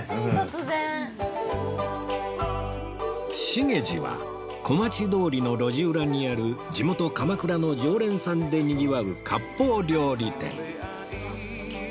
「しげじ」は小町通りの路地裏にある地元鎌倉の常連さんでにぎわう割烹料理店